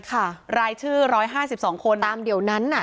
ค่ะรายชื่อร้อยห้าสิบสองคนตามเดี๋ยวนั้นน่ะ